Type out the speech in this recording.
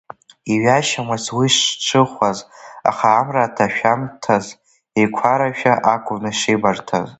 Иҩашьомызт уи шҽыхәаз, аха амра аҭашәамҭаз еиқәарашәа акәын ишибарҭаз.